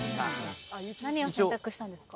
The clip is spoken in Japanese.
何を選択したんですか？